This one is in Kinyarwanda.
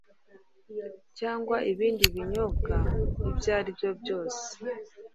cyangwa ibindi binyobwa ibyaribyo byose